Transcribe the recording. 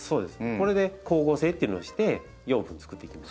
これで光合成っていうのをして養分作っていきます。